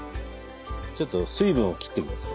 ちょっと水分を切っていきます。